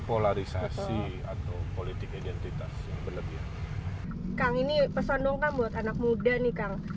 polarisasi atau politik identitas yang berlebihan kang ini pesan dong kang buat anak muda nih kang